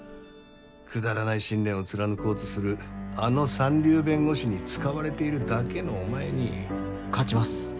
くだらない信念を貫こうとするあの三流弁護士に使われているだけのお前に勝ちます